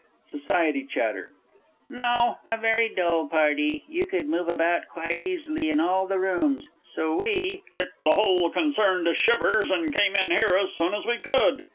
SOC. CHAT. No, a very dull party, you could move about quite easily in all the rooms, so we ... kicked the whole concern to shivers and ... came on here as soon as we could....